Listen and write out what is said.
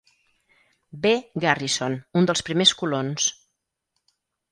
B. Garrison, un dels primers colons.